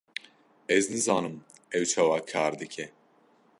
Ez nizanim ew çawa kar dike.